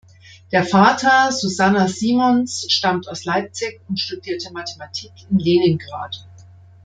Der Vater Susanna Simons stammt aus Leipzig und studierte Mathematik in Leningrad.